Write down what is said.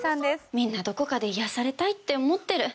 みんなどこかで癒されたいって思ってる。